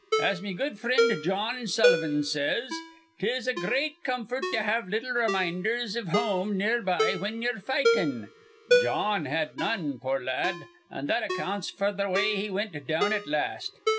"As me good frind, Jawn Sullivan, says, 'tis a great comfort to have little reminders iv home near by whin ye're fightin'. Jawn had none, poor lad; an' that accounts f'r th' way he wint down at last.